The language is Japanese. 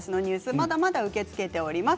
まだまだ受け付けています。